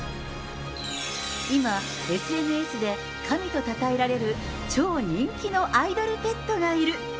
今、ＳＮＳで神とたたえられる超人気のアイドルペットがいる。